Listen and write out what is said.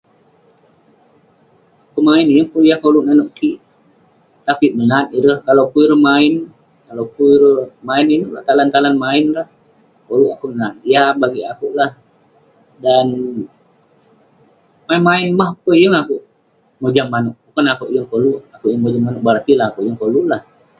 Pemain, yeng pun yah koluk nanouk kik. Tapi menat ireh Kalau pun ireh main, kalau pun ireh main inouk lah, talan talan main lah, ulouk kek menat. Yah bagik akouk lah dan main main mah peh, yeng akouk mojam manouk. Bukan akouk yeng koluk, akouk yeng mojam manouk, berarti nah akouk yeng koluk lah.